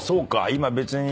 今別に。